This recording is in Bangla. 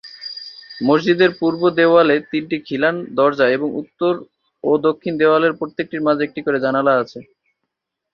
মসজিদের পূর্ব দেওয়ালে তিনটি খিলান দরজা এবং উত্তর ও দক্ষিণ দেওয়ালের প্রত্যেকটির মাঝে একটি করে জানালা আছে।